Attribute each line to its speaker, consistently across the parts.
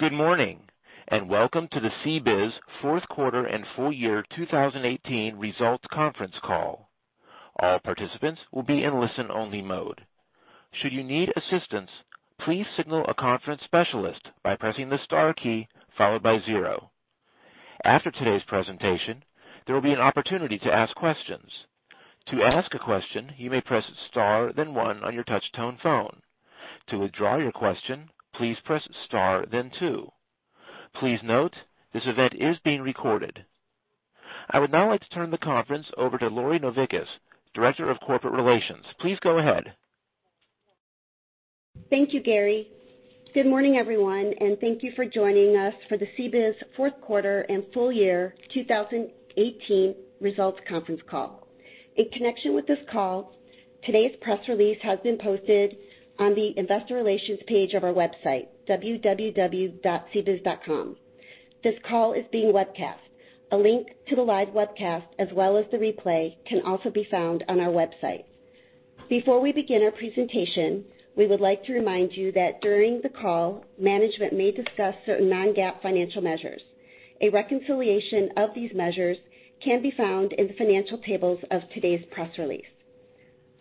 Speaker 1: Good morning, welcome to the CBIZ fourth quarter and full year 2018 results conference call. All participants will be in listen-only mode. Should you need assistance, please signal a conference specialist by pressing the star key followed by zero. After today's presentation, there will be an opportunity to ask questions. To ask a question, you may press star then one on your touch tone phone. To withdraw your question, please Press Star then two. Please note, this event is being recorded. I would now like to turn the conference over to Lori Novickis, Director of Corporate Relations. Please go ahead.
Speaker 2: Thank you, Gary. Good morning, everyone, thank you for joining us for the CBIZ fourth quarter and full year 2018 results conference call. In connection with this call, today's press release has been posted on the investor relations page of our website, www.cbiz.com. This call is being webcast. A link to the live webcast as well as the replay can also be found on our website. Before we begin our presentation, we would like to remind you that during the call, management may discuss certain non-GAAP financial measures. A reconciliation of these measures can be found in the financial tables of today's press release.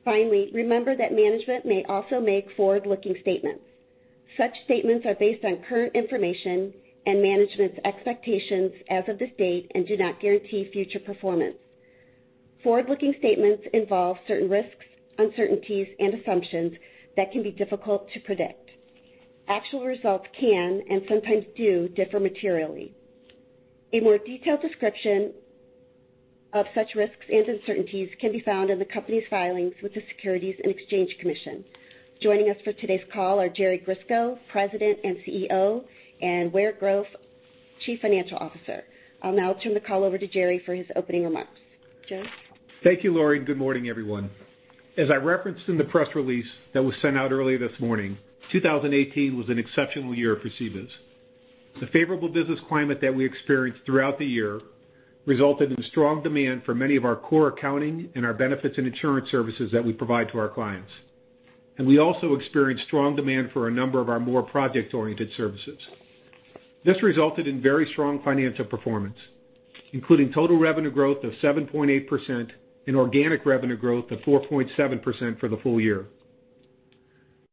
Speaker 2: Finally, remember that management may also make forward-looking statements. Such statements are based on current information and management's expectations as of this date and do not guarantee future performance. Forward-looking statements involve certain risks, uncertainties, and assumptions that can be difficult to predict. Actual results can, and sometimes do, differ materially. A more detailed description of such risks and uncertainties can be found in the company's filings with the Securities and Exchange Commission. Joining us for today's call are Jerry Grisko, President and CEO, and Ware Grove, Chief Financial Officer. I'll now turn the call over to Jerry for his opening remarks. Jerry?
Speaker 3: Thank you, Lori. Good morning, everyone. As I referenced in the press release that was sent out earlier this morning, 2018 was an exceptional year for CBIZ. The favorable business climate that we experienced throughout the year resulted in strong demand for many of our core accounting and our benefits and insurance services that we provide to our clients. We also experienced strong demand for a number of our more project-oriented services. This resulted in very strong financial performance, including total revenue growth of 7.8% and organic revenue growth of 4.7% for the full year.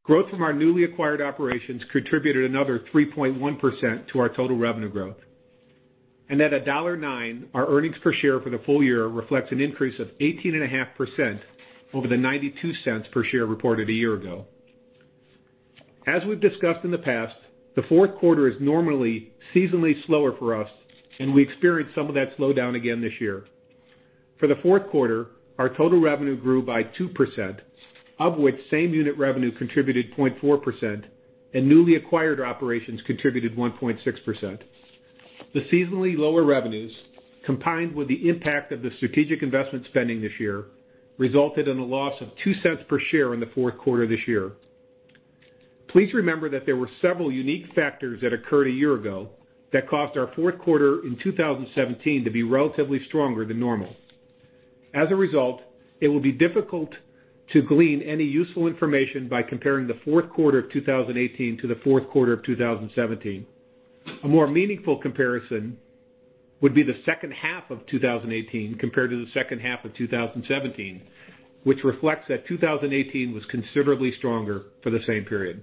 Speaker 3: Growth from our newly acquired operations contributed another 3.1% to our total revenue growth. At $1.09, our earnings per share for the full year reflects an increase of 18.5% over the $0.92 per share reported a year ago. As we've discussed in the past, the fourth quarter is normally seasonally slower for us, and we experienced some of that slowdown again this year. For the fourth quarter, our total revenue grew by 2%, of which same unit revenue contributed 0.4%, and newly acquired operations contributed 1.6%. The seasonally lower revenues, combined with the impact of the strategic investment spending this year, resulted in a loss of $0.02 per share in the fourth quarter this year. Please remember that there were several unique factors that occurred a year ago that caused our fourth quarter in 2017 to be relatively stronger than normal. As a result, it will be difficult to glean any useful information by comparing the fourth quarter of 2018 to the fourth quarter of 2017. A more meaningful comparison would be the second half of 2018 compared to the second half of 2017, which reflects that 2018 was considerably stronger for the same period.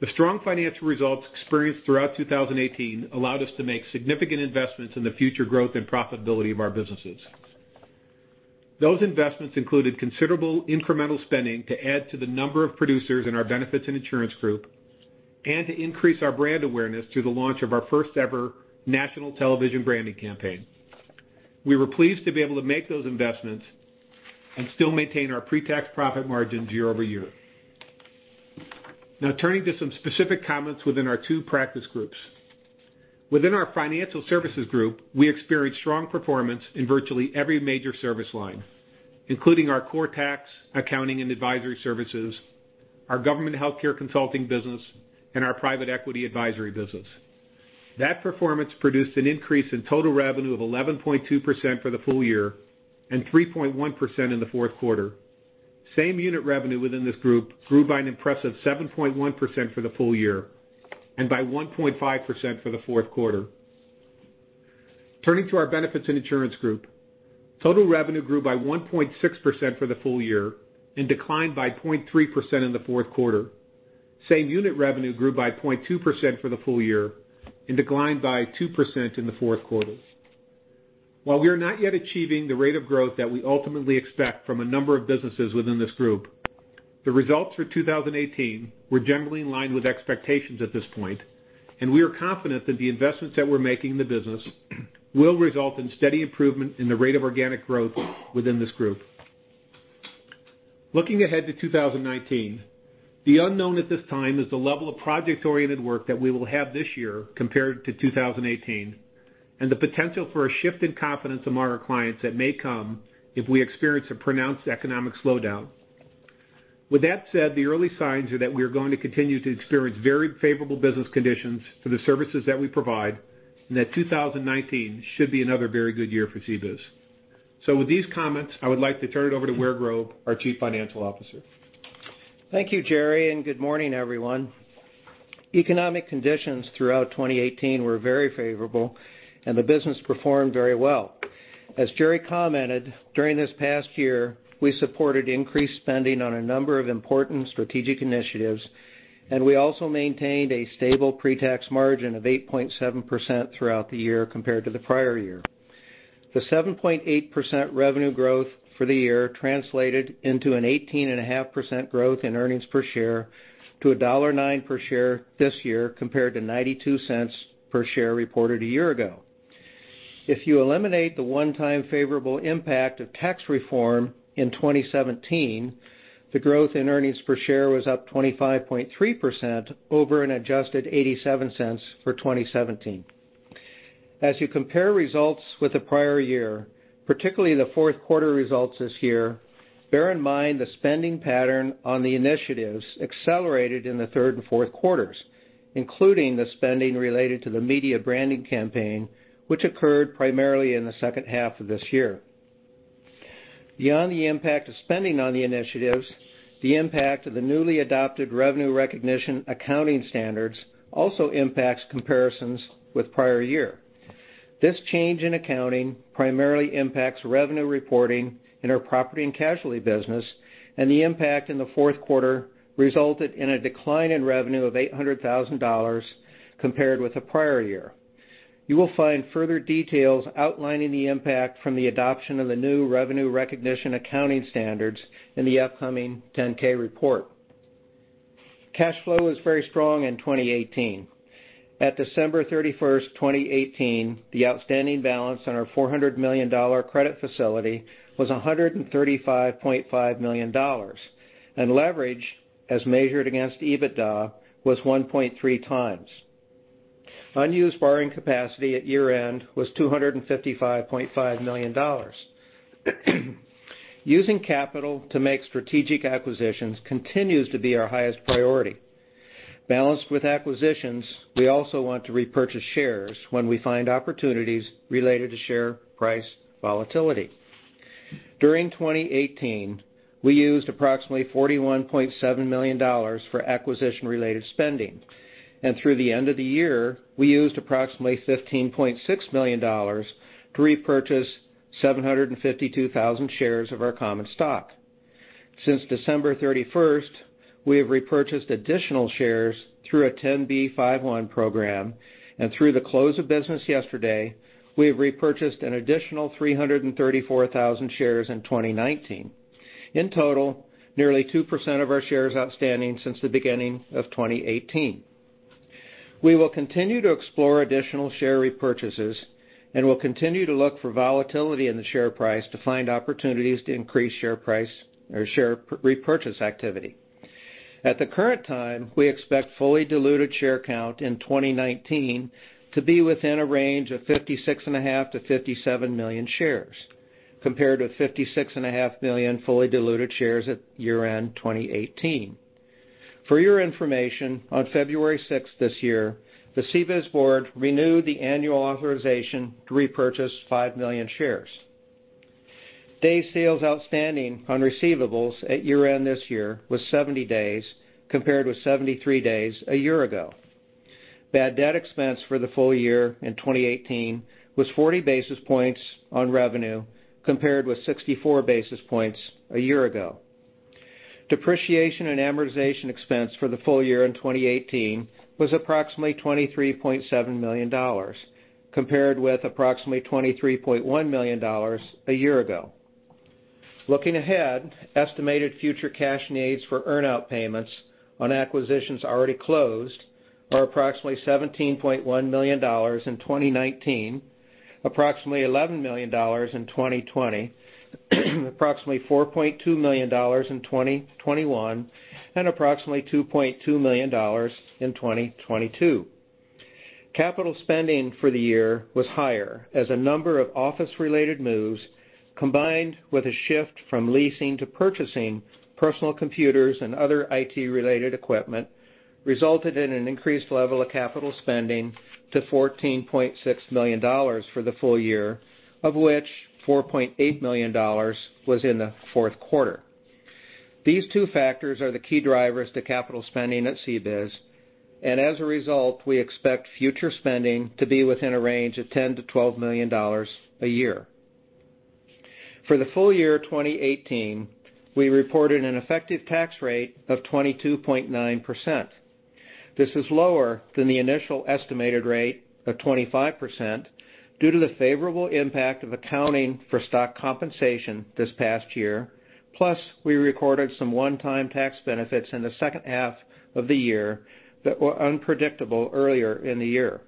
Speaker 3: The strong financial results experienced throughout 2018 allowed us to make significant investments in the future growth and profitability of our businesses. Those investments included considerable incremental spending to add to the number of producers in our benefits and insurance group and to increase our brand awareness through the launch of our first-ever national television branding campaign. We were pleased to be able to make those investments and still maintain our pre-tax profit margins year-over-year. Now turning to some specific comments within our two practice groups. Within our financial services group, we experienced strong performance in virtually every major service line, including our core tax, accounting, and advisory services, our government healthcare consulting business, and our private equity advisory business. That performance produced an increase in total revenue of 11.2% for the full year and 3.1% in the fourth quarter. Same-unit revenue within this group grew by an impressive 7.1% for the full year and by 1.5% for the fourth quarter. Turning to our benefits and insurance group, total revenue grew by 1.6% for the full year and declined by 0.3% in the fourth quarter. Same-unit revenue grew by 0.2% for the full year and declined by 2% in the fourth quarter. While we are not yet achieving the rate of growth that we ultimately expect from a number of businesses within this group, the results for 2018 were generally in line with expectations at this point, and we are confident that the investments that we're making in the business will result in steady improvement in the rate of organic growth within this group. Looking ahead to 2019, the unknown at this time is the level of project-oriented work that we will have this year compared to 2018 and the potential for a shift in confidence among our clients that may come if we experience a pronounced economic slowdown. With that said, the early signs are that we are going to continue to experience very favorable business conditions for the services that we provide and that 2019 should be another very good year for CBIZ. With these comments, I would like to turn it over to Ware Grove, our Chief Financial Officer.
Speaker 4: Thank you, Jerry, and good morning, everyone. Economic conditions throughout 2018 were very favorable, and the business performed very well. As Jerry commented, during this past year, we supported increased spending on a number of important strategic initiatives, and we also maintained a stable pre-tax margin of 8.7% throughout the year compared to the prior year. The 7.8% revenue growth for the year translated into an 18.5% growth in earnings per share to $1.09 per share this year compared to $0.92 per share reported a year ago. If you eliminate the one-time favorable impact of tax reform in 2017, the growth in earnings per share was up 25.3% over an adjusted $0.87 for 2017. As you compare results with the prior year, particularly the fourth quarter results this year, bear in mind the spending pattern on the initiatives accelerated in the third and fourth quarters, including the spending related to the media branding campaign, which occurred primarily in the second half of this year. Beyond the impact of spending on the initiatives, the impact of the newly adopted revenue recognition accounting standards also impacts comparisons with the prior year. This change in accounting primarily impacts revenue reporting in our property and casualty business, and the impact in the fourth quarter resulted in a decline in revenue of $800,000 compared with the prior year. You will find further details outlining the impact from the adoption of the new revenue recognition accounting standards in the upcoming 10-K report. Cash flow was very strong in 2018. At December 31st, 2018, the outstanding balance on our $400 million credit facility was $135.5 million, and leverage, as measured against EBITDA, was 1.3x. Unused borrowing capacity at year-end was $255.5 million. Using capital to make strategic acquisitions continues to be our highest priority. Balanced with acquisitions, we also want to repurchase shares when we find opportunities related to share price volatility. During 2018, we used approximately $41.7 million for acquisition-related spending, and through the end of the year, we used approximately $15.6 million to repurchase 752,000 shares of our common stock. Since December 31st, we have repurchased additional shares through a 10b5-1 program, and through the close of business yesterday, we have repurchased an additional 334,000 shares in 2019. In total, nearly 2% of our shares outstanding since the beginning of 2018. We will continue to explore additional share repurchases and will continue to look for volatility in the share price to find opportunities to increase share repurchase activity. At the current time, we expect fully diluted share count in 2019 to be within a range of 56.5 million-57 million shares, compared with 56.5 million fully diluted shares at year-end 2018. For your information, on February 6th this year, the CBIZ board renewed the annual authorization to repurchase five million shares. Days sales outstanding on receivables at year-end this year was 70 days, compared with 73 days a year ago. Bad debt expense for the full year in 2018 was 40 basis points on revenue, compared with 64 basis points a year ago. Depreciation and amortization expense for the full year in 2018 was approximately $23.7 million, compared with approximately $23.1 million a year ago. Looking ahead, estimated future cash needs for earn-out payments on acquisitions already closed are approximately $17.1 million in 2019, approximately $11 million in 2020, approximately $4.2 million in 2021, and approximately $2.2 million in 2022. Capital spending for the year was higher as a number of office-related moves, combined with a shift from leasing to purchasing personal computers and other IT-related equipment, resulted in an increased level of capital spending to $14.6 million for the full year, of which $4.8 million was in the fourth quarter. These two factors are the key drivers to capital spending at CBIZ, and as a result, we expect future spending to be within a range of $10 million-$12 million a year. For the full year 2018, we reported an effective tax rate of 22.9%. This is lower than the initial estimated rate of 25% due to the favorable impact of accounting for stock compensation this past year. Plus, we recorded some one-time tax benefits in the second half of the year that were unpredictable earlier in the year.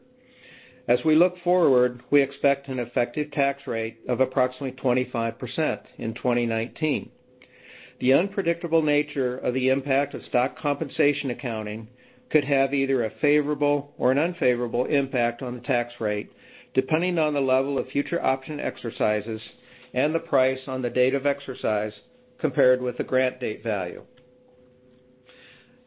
Speaker 4: As we look forward, we expect an effective tax rate of approximately 25% in 2019. The unpredictable nature of the impact of stock compensation accounting could have either a favorable or an unfavorable impact on the tax rate, depending on the level of future option exercises and the price on the date of exercise compared with the grant date value.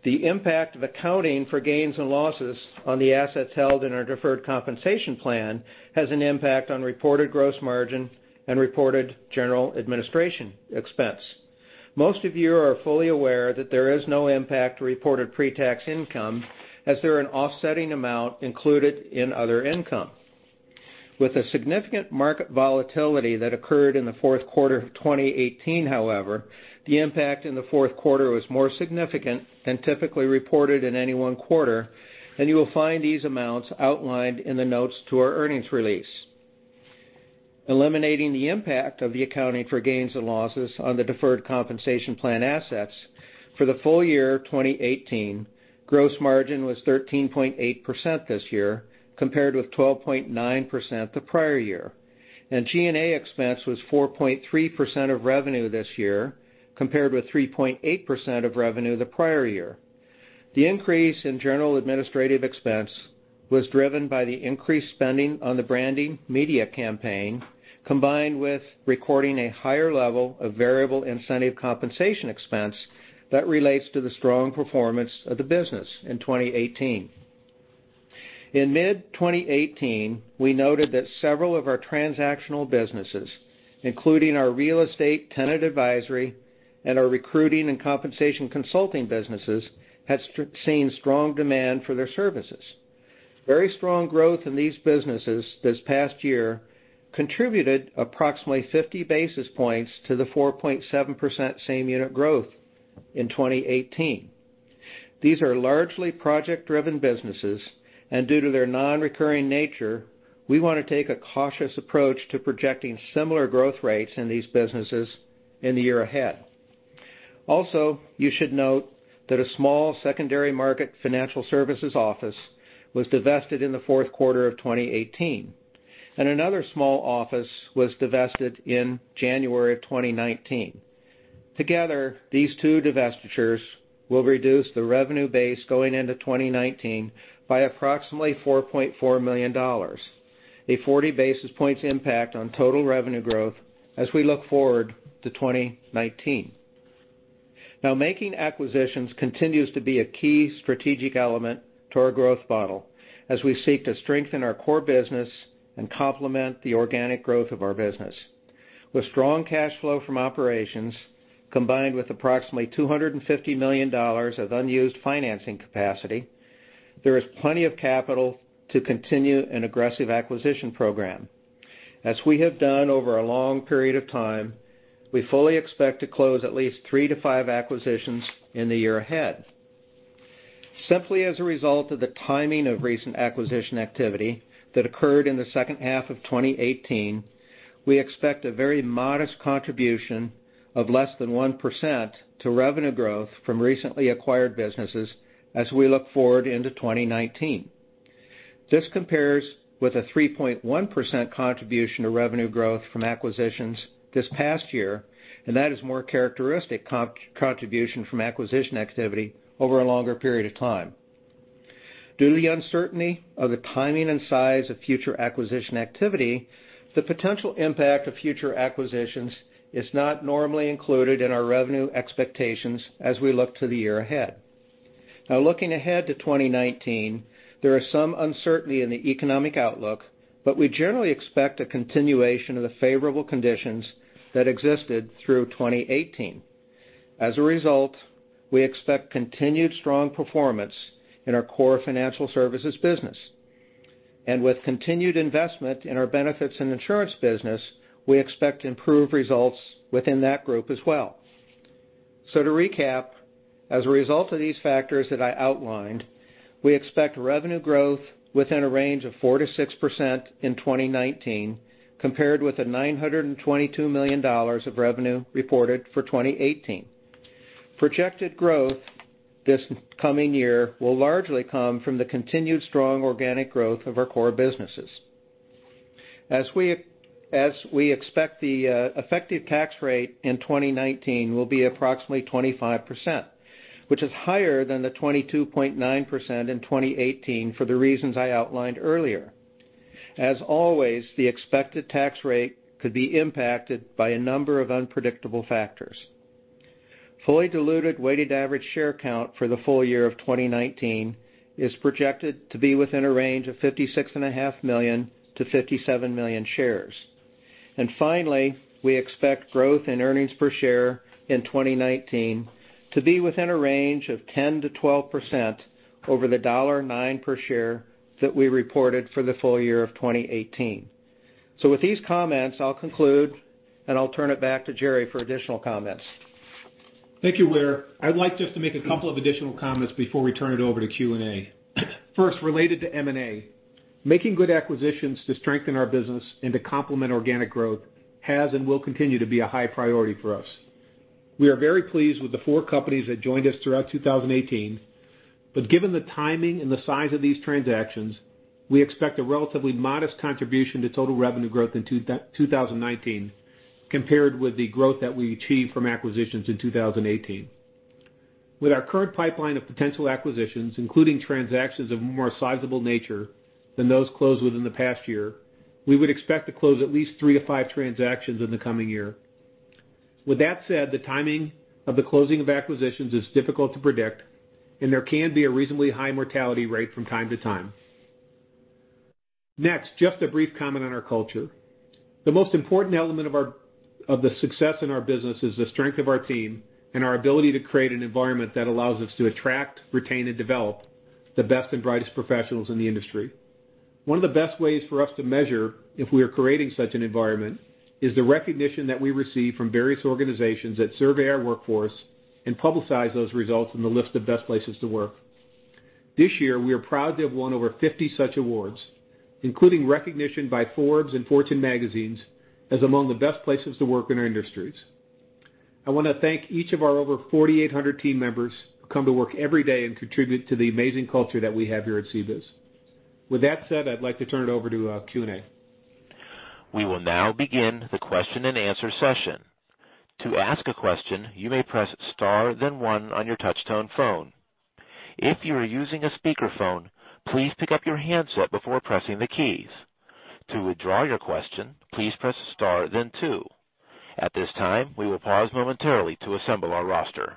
Speaker 4: The impact of accounting for gains and losses on the assets held in our deferred compensation plan has an impact on reported gross margin and reported general administration expense. Most of you are fully aware that there is no impact to reported pre-tax income, as they're an offsetting amount included in other income. With the significant market volatility that occurred in the fourth quarter of 2018, however, the impact in the fourth quarter was more significant than typically reported in any one quarter, and you will find these amounts outlined in the notes to our earnings release. Eliminating the impact of the accounting for gains and losses on the deferred compensation plan assets, for the full year 2018, gross margin was 13.8% this year, compared with 12.9% the prior year. G&A expense was 4.3% of revenue this year, compared with 3.8% of revenue the prior year. The increase in general administrative expense was driven by the increased spending on the branding media campaign, combined with recording a higher level of variable incentive compensation expense that relates to the strong performance of the business in 2018. In mid-2018, we noted that several of our transactional businesses, including our real estate tenant advisory and our recruiting and compensation consulting businesses, had seen strong demand for their services. Very strong growth in these businesses this past year contributed approximately 50 basis points to the 4.7% same-unit growth in 2018. These are largely project-driven businesses, and due to their non-recurring nature, we want to take a cautious approach to projecting similar growth rates in these businesses in the year ahead. Also, you should note that a small secondary market financial services office was divested in the fourth quarter of 2018, and another small office was divested in January of 2019. Together, these two divestitures will reduce the revenue base going into 2019 by approximately $4.4 million, a 40 basis points impact on total revenue growth as we look forward to 2019. Making acquisitions continues to be a key strategic element to our growth model as we seek to strengthen our core business and complement the organic growth of our business. With strong cash flow from operations combined with approximately $250 million of unused financing capacity, there is plenty of capital to continue an aggressive acquisition program. As we have done over a long period of time, we fully expect to close at least three to five acquisitions in the year ahead. Simply as a result of the timing of recent acquisition activity that occurred in the second half of 2018, we expect a very modest contribution of less than 1% to revenue growth from recently acquired businesses as we look forward into 2019. This compares with a 3.1% contribution to revenue growth from acquisitions this past year, and that is more characteristic contribution from acquisition activity over a longer period of time. Due to the uncertainty of the timing and size of future acquisition activity, the potential impact of future acquisitions is not normally included in our revenue expectations as we look to the year ahead. Looking ahead to 2019, there is some uncertainty in the economic outlook, but we generally expect a continuation of the favorable conditions that existed through 2018. As a result, we expect continued strong performance in our core financial services business. With continued investment in our benefits and insurance business, we expect to improve results within that group as well. To recap, as a result of these factors that I outlined, we expect revenue growth within a range of 4%-6% in 2019, compared with the $922 million of revenue reported for 2018. Projected growth this coming year will largely come from the continued strong organic growth of our core businesses. As we expect, the effective tax rate in 2019 will be approximately 25%, which is higher than the 22.9% in 2018 for the reasons I outlined earlier. As always, the expected tax rate could be impacted by a number of unpredictable factors. Fully diluted weighted average share count for the full year of 2019 is projected to be within a range of 56.5 million to 57 million shares. We expect growth in earnings per share in 2019 to be within a range of 10%-12% over the $1.09 per share that we reported for the full year of 2018. With these comments, I'll conclude, and I'll turn it back to Jerry for additional comments.
Speaker 3: Thank you, Ware. I'd like just to make a couple of additional comments before we turn it over to Q&A. First, related to M&A, making good acquisitions to strengthen our business and to complement organic growth has and will continue to be a high priority for us. We are very pleased with the four companies that joined us throughout 2018, given the timing and the size of these transactions, we expect a relatively modest contribution to total revenue growth in 2019 compared with the growth that we achieved from acquisitions in 2018. With our current pipeline of potential acquisitions, including transactions of a more sizable nature than those closed within the past year, we would expect to close at least three to five transactions in the coming year. With that said, the timing of the closing of acquisitions is difficult to predict, and there can be a reasonably high mortality rate from time to time. Just a brief comment on our culture. The most important element of the success in our business is the strength of our team and our ability to create an environment that allows us to attract, retain, and develop the best and brightest professionals in the industry. One of the best ways for us to measure if we are creating such an environment is the recognition that we receive from various organizations that survey our workforce and publicize those results in the list of best places to work. This year, we are proud to have won over 50 such awards, including recognition by Forbes and Fortune magazines, as among the best places to work in our industries. I want to thank each of our over 4,800 team members who come to work every day and contribute to the amazing culture that we have here at CBIZ. With that said, I'd like to turn it over to Q&A.
Speaker 1: We will now begin the question and answer session. To ask a question, you may press star then one on your touch-tone phone. If you are using a speakerphone, please pick up your handset before pressing the keys. To withdraw your question, please Press Star then two. At this time, we will pause momentarily to assemble our roster.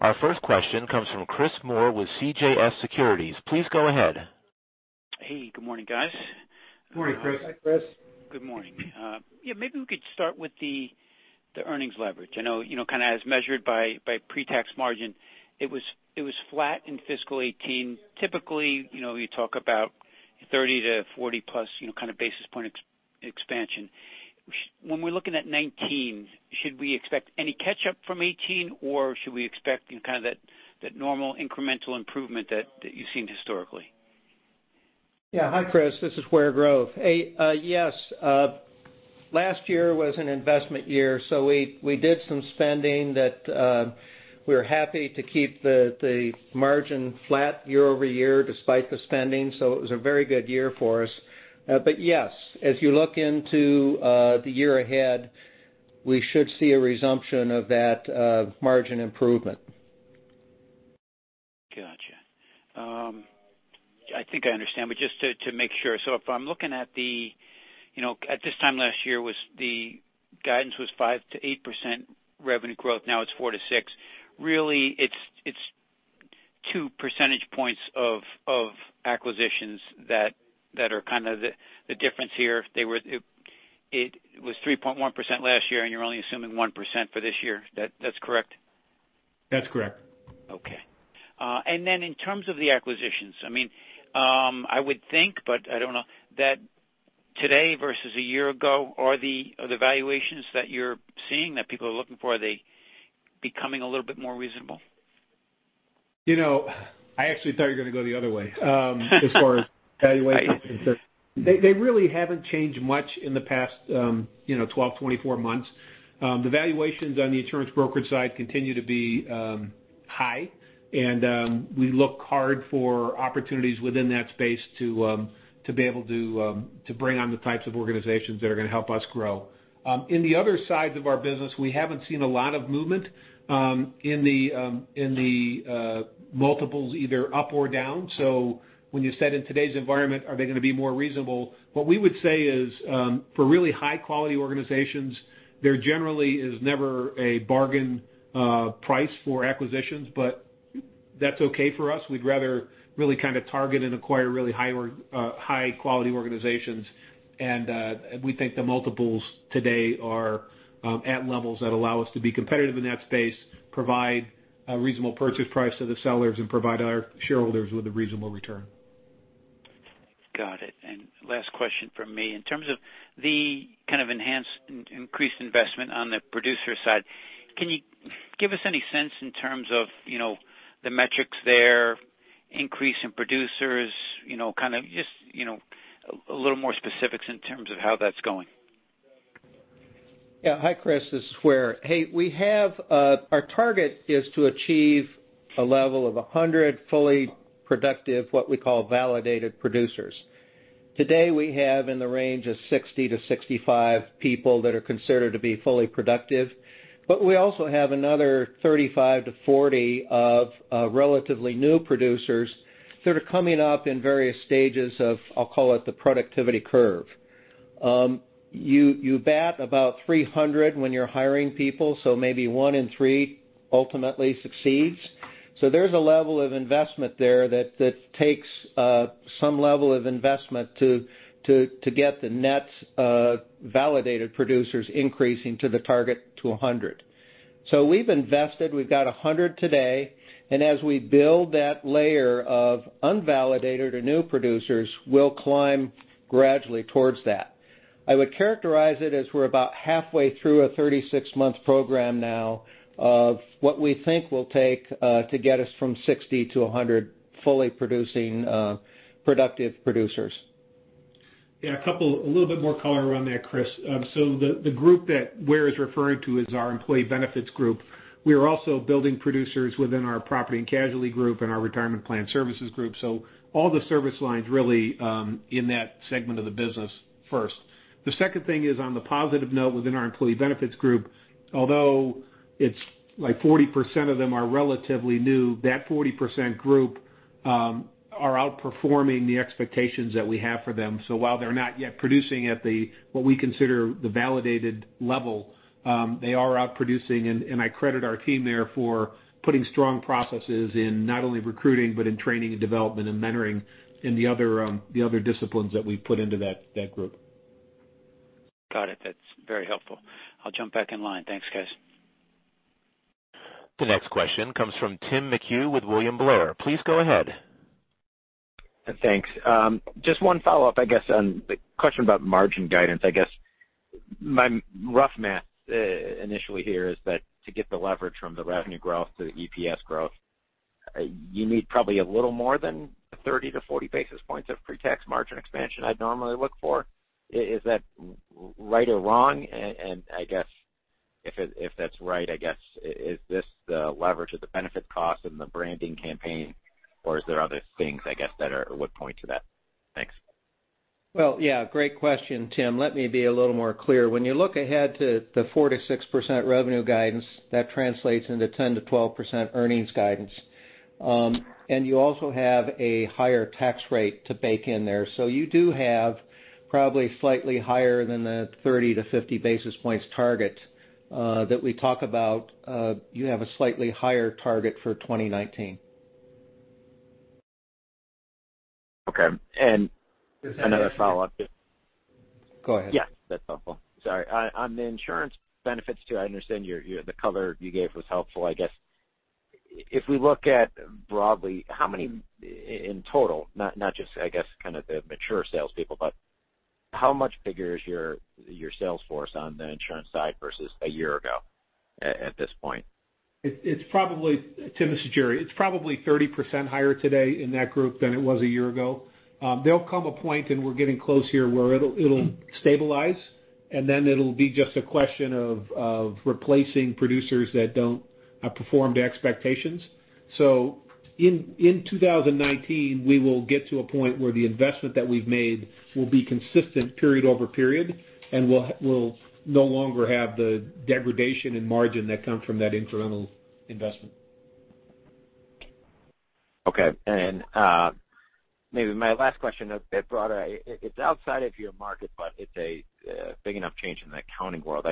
Speaker 1: Our first question comes from Chris Moore with CJS Securities. Please go ahead.
Speaker 5: Hey, good morning, guys.
Speaker 3: Good morning, Chris.
Speaker 4: Hi, Chris.
Speaker 5: Good morning. Maybe we could start with the earnings leverage. I know, kind of as measured by pre-tax margin, it was flat in fiscal 2018. Typically, you talk about 30-40+ basis point expansion. When we're looking at 2019, should we expect any catch-up from 2018, or should we expect kind of that normal incremental improvement that you've seen historically?
Speaker 4: Yeah. Hi, Chris. This is Ware Grove. Yes. Last year was an investment year, we did some spending that we were happy to keep the margin flat year-over-year despite the spending. It was a very good year for us. Yes, as you look into the year ahead, we should see a resumption of that margin improvement.
Speaker 5: Got you. I think I understand, but just to make sure. If I'm looking at this time last year was the guidance was 5%-8% revenue growth. Now it's 4%-6%. Really, it's two percentage points of acquisitions that are kind of the difference here. It was 3.1% last year, and you're only assuming 1% for this year. That's correct?
Speaker 3: That's correct.
Speaker 5: Okay. In terms of the acquisitions, I would think, but I don't know, that today versus a year ago, are the valuations that you're seeing that people are looking for, are they becoming a little bit more reasonable?
Speaker 3: I actually thought you were going to go the other way as far as valuations are concerned. They really haven't changed much in the past 12, 24 months. The valuations on the insurance brokerage side continue to be high, and we look hard for opportunities within that space to be able to bring on the types of organizations that are going to help us grow. In the other sides of our business, we haven't seen a lot of movement in the multiples, either up or down. When you said in today's environment, are they going to be more reasonable? What we would say is for really high quality organizations, there generally is never a bargain price for acquisitions, but that's okay for us. We'd rather really kind of target and acquire really high quality organizations. We think the multiples today are at levels that allow us to be competitive in that space, provide a reasonable purchase price to the sellers, and provide our shareholders with a reasonable return.
Speaker 5: Got it. Last question from me. In terms of the kind of enhanced, increased investment on the producer side, can you give us any sense in terms of the metrics there, increase in producers, kind of just a little more specifics in terms of how that's going?
Speaker 4: Yeah. Hi, Chris. This is Ware. Our target is to achieve a level of 100 fully productive, what we call validated producers. Today, we have in the range of 60-65 people that are considered to be fully productive, but we also have another 35-40 of relatively new producers that are coming up in various stages of, I'll call it, the productivity curve. You bat about 300 when you're hiring people, so maybe one in three ultimately succeeds. There's a level of investment there that takes some level of investment to get the net validated producers increasing to the target to 100. We've invested. We've got 100 today. As we build that layer of unvalidated or new producers, we'll climb gradually towards that. I would characterize it as we're about halfway through a 36-month program now of what we think will take to get us from 60 to 100 fully producing productive producers.
Speaker 3: Yeah, a little bit more color around that, Chris. The group that Ware is referring to is our employee benefits group. We are also building producers within our property and casualty group and our retirement plan services group. All the service lines really in that segment of the business first. The second thing is on the positive note within our employee benefits group, although it's like 40% of them are relatively new, that 40% group are outperforming the expectations that we have for them. While they're not yet producing at the, what we consider the validated level, they are out producing, and I credit our team there for putting strong processes in not only recruiting, but in training and development and mentoring in the other disciplines that we've put into that group.
Speaker 5: Got it. That's very helpful. I'll jump back in line. Thanks, guys.
Speaker 1: The next question comes from Tim McHugh with William Blair. Please go ahead.
Speaker 6: Thanks. Just one follow-up, I guess, on the question about margin guidance. I guess my rough math initially here is that to get the leverage from the revenue growth to the EPS growth, you need probably a little more than 30 to 40 basis points of pre-tax margin expansion, I'd normally look for. Is that right or wrong? I guess if that's right, I guess, is this the leverage of the benefit cost and the branding campaign, or is there other things, I guess, that would point to that? Thanks.
Speaker 3: Well, yeah, great question, Tim. Let me be a little more clear. When you look ahead to the 4%-6% revenue guidance, that translates into 10%-12% earnings guidance. You also have a higher tax rate to bake in there. You do have probably slightly higher than the 30-50 basis points target that we talk about. You have a slightly higher target for 2019.
Speaker 6: Okay. Another follow-up.
Speaker 3: Go ahead.
Speaker 6: Yeah, that's helpful. Sorry. On the insurance benefits, too, I understand the color you gave was helpful. If we look at broadly, how many in total, not just kind of the mature salespeople, but how much bigger is your sales force on the insurance side versus a year ago at this point?
Speaker 3: Tim, this is Jerry. It's probably 30% higher today in that group than it was a year ago. There'll come a point, and we're getting close here, where it'll stabilize, and then it'll be just a question of replacing producers that don't perform to expectations. In 2019, we will get to a point where the investment that we've made will be consistent period over period, and we'll no longer have the degradation in margin that comes from that incremental investment.
Speaker 6: Okay. Maybe my last question a bit broader. It's outside of your market, but it's a big enough change in the accounting world.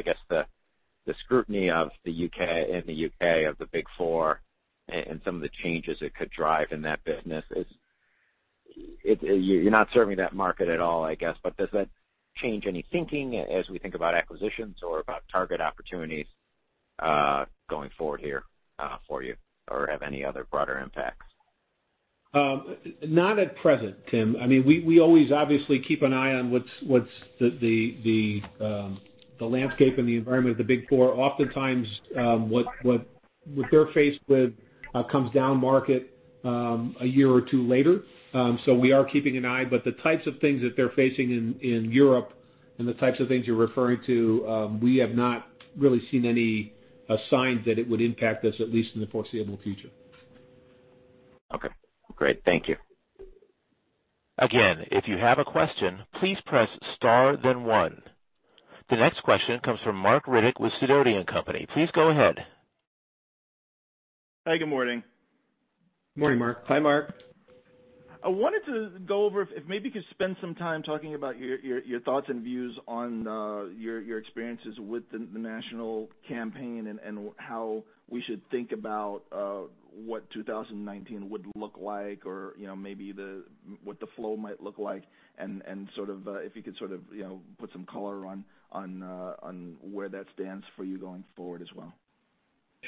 Speaker 6: The scrutiny of the U.K., in the U.K. of the Big Four and some of the changes it could drive in that business. You're not serving that market at all, but does that change any thinking as we think about acquisitions or about target opportunities going forward here for you, or have any other broader impacts?
Speaker 3: Not at present, Tim. We always obviously keep an eye on what's the landscape and the environment of the Big Four. Oftentimes, what they're faced with comes down market a year or two later. We are keeping an eye, but the types of things that they're facing in Europe and the types of things you're referring to, we have not really seen any signs that it would impact us, at least in the foreseeable future.
Speaker 6: Okay, great. Thank you.
Speaker 1: Again, if you have a question, please Press Star then one. The next question comes from Marc Riddick with Sidoti & Company. Please go ahead.
Speaker 7: Hi, good morning.
Speaker 4: Morning, Marc. Hi, Marc.
Speaker 7: I wanted to go over, if maybe you could spend some time talking about your thoughts and views on your experiences with the national campaign and how we should think about what 2019 would look like or maybe what the flow might look like, and if you could sort of put some color on where that stands for you going forward as well.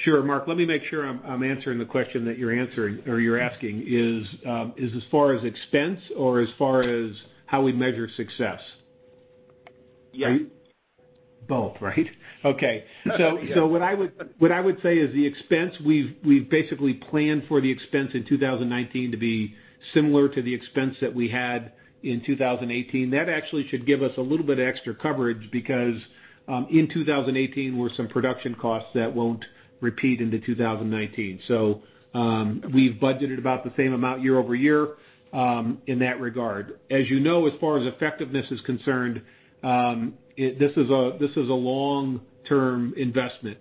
Speaker 3: Sure, Marc, let me make sure I'm answering the question that you're asking. Is as far as expense or as far as how we measure success?
Speaker 7: Yeah.
Speaker 3: Both, right? Okay.
Speaker 7: Yes.
Speaker 3: What I would say is the expense, we've basically planned for the expense in 2019 to be similar to the expense that we had in 2018. That actually should give us a little bit of extra coverage because in 2018 were some production costs that won't repeat into 2019. We've budgeted about the same amount year-over-year in that regard. As you know, as far as effectiveness is concerned, this is a long-term investment.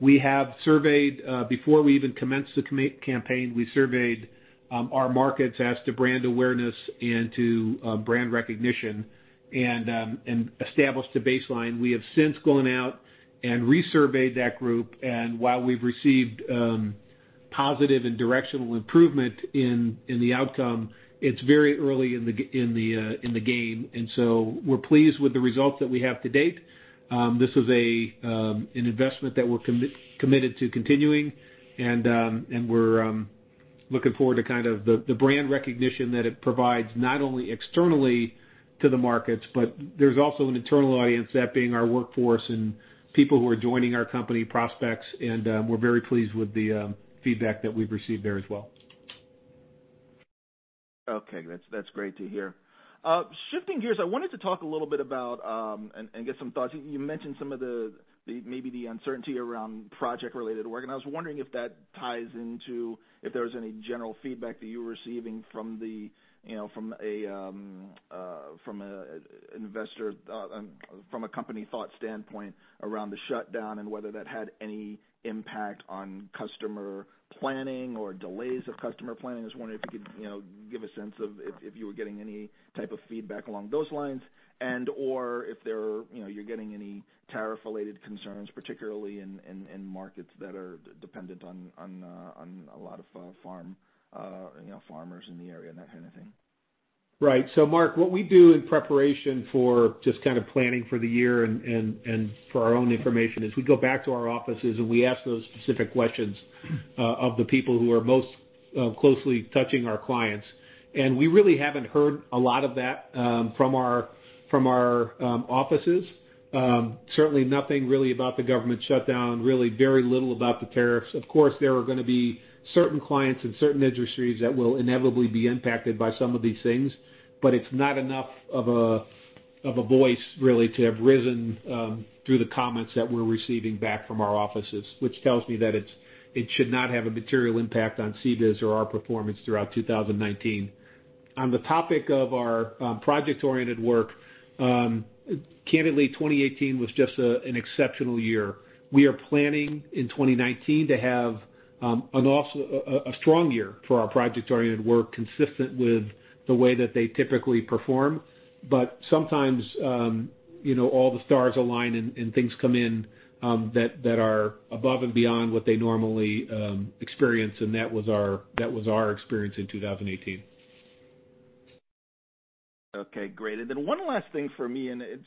Speaker 3: We have surveyed, before we even commenced the campaign, we surveyed our markets as to brand awareness and to brand recognition and established a baseline. We have since gone out and re-surveyed that group, and while we've received positive and directional improvement in the outcome, it's very early in the game, we're pleased with the results that we have to date. This is an investment that we're committed to continuing, and we're looking forward to kind of the brand recognition that it provides, not only externally to the markets, but there's also an internal audience, that being our workforce and people who are joining our company, prospects, and we're very pleased with the feedback that we've received there as well.
Speaker 7: Okay. That's great to hear. Shifting gears, I wanted to talk a little bit about and get some thoughts. You mentioned some of the, maybe the uncertainty around project-related work, and I was wondering if that ties into if there was any general feedback that you were receiving from an investor, from a company thought standpoint around the shutdown, and whether that had any impact on customer planning or delays of customer planning. I was wondering if you could give a sense of if you were getting any type of feedback along those lines and/or if you're getting any tariff-related concerns, particularly in markets that are dependent on a lot of farmers in the area and that kind of thing.
Speaker 3: Right. Marc, what we do in preparation for just kind of planning for the year and for our own information is we go back to our offices, and we ask those specific questions of the people who are most closely touching our clients. We really haven't heard a lot of that from our offices. Certainly nothing really about the government shutdown, really very little about the tariffs. Of course, there are going to be certain clients in certain industries that will inevitably be impacted by some of these things, but it's not enough of a voice, really, to have risen through the comments that we're receiving back from our offices, which tells me that it should not have a material impact on CBIZ or our performance throughout 2019. On the topic of our project-oriented work, candidly, 2018 was just an exceptional year. We are planning in 2019 to have a strong year for our project-oriented work, consistent with the way that they typically perform. Sometimes all the stars align and things come in that are above and beyond what they normally experience. That was our experience in 2018.
Speaker 7: Okay, great. One last thing for me, and it's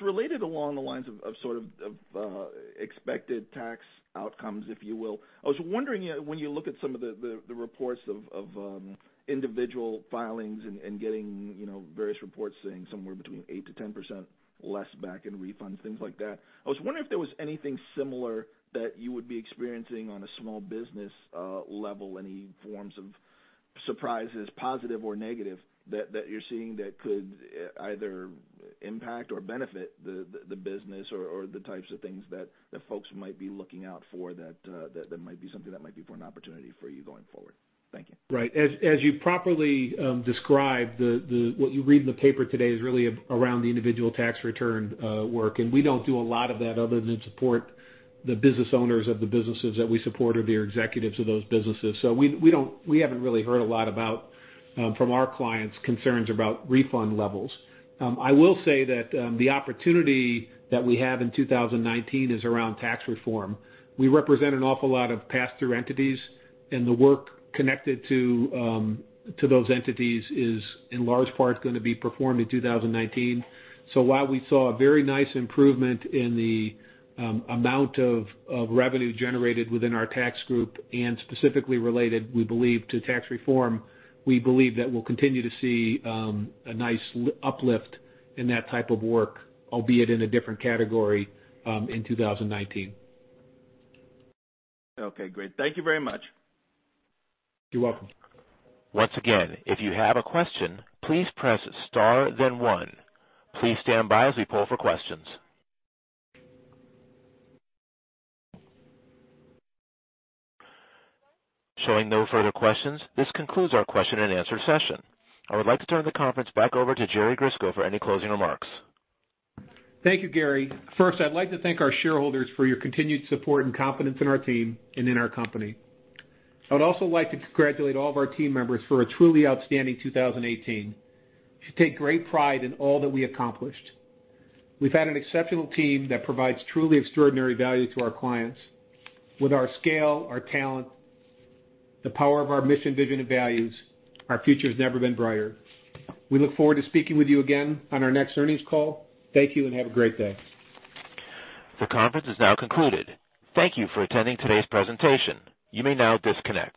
Speaker 7: related along the lines of expected tax outcomes, if you will. I was wondering, when you look at some of the reports of individual filings and getting various reports saying somewhere between 8%-10% less back in refunds, things like that, I was wondering if there was anything similar that you would be experiencing on a small business level. Any forms of surprises, positive or negative, that you're seeing that could either impact or benefit the business or the types of things that folks might be looking out for that might be something that might be for an opportunity for you going forward? Thank you.
Speaker 3: Right. As you properly described, what you read in the paper today is really around the individual tax return work. We don't do a lot of that other than support the business owners of the businesses that we support or the executives of those businesses. We haven't really heard a lot about, from our clients, concerns about refund levels. I will say that the opportunity that we have in 2019 is around tax reform. We represent an awful lot of pass-through entities, and the work connected to those entities is in large part going to be performed in 2019. While we saw a very nice improvement in the amount of revenue generated within our tax group and specifically related, we believe, to tax reform, we believe that we'll continue to see a nice uplift in that type of work, albeit in a different category, in 2019.
Speaker 7: Okay, great. Thank you very much.
Speaker 3: You're welcome.
Speaker 1: Once again, if you have a question, please press star then one. Please stand by as we poll for questions. Showing no further questions, this concludes our question and answer session. I would like to turn the conference back over to Jerry Grisko for any closing remarks.
Speaker 3: Thank you, Gary. First, I'd like to thank our shareholders for your continued support and confidence in our team and in our company. I would also like to congratulate all of our team members for a truly outstanding 2018. You should take great pride in all that we accomplished. We've had an exceptional team that provides truly extraordinary value to our clients. With our scale, our talent, the power of our mission, vision, and values, our future's never been brighter. We look forward to speaking with you again on our next earnings call. Thank you and have a great day.
Speaker 1: The conference is now concluded. Thank you for attending today's presentation. You may now disconnect.